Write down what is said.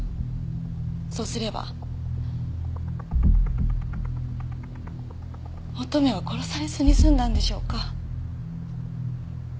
そうすれば乙女は殺されずに済んだんでしょうか？